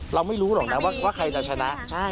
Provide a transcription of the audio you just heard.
เราไม่รู้หรอกนะว่าใครจะชนะ